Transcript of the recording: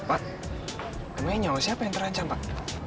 pak emangnya siapa yang terancam pak